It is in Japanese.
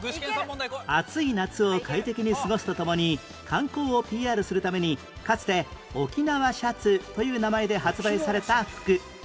暑い夏を快適に過ごすとともに観光を ＰＲ するためにかつて沖縄シャツという名前で発売された服